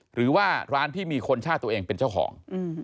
หรือว่าร้านที่มีคนชาติตัวเองเป็นเจ้าของ